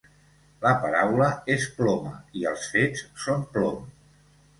La paraula és ploma i els fets són plom.